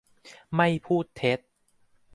ไม่พูดเท็จ